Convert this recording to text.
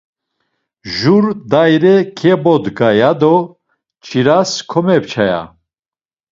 Jur daire keyobdga ya do çiras komepça ya.